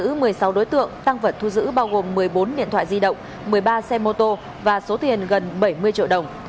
bắt giữ một mươi sáu đối tượng tăng vật thu giữ bao gồm một mươi bốn điện thoại di động một mươi ba xe mô tô và số tiền gần bảy mươi triệu đồng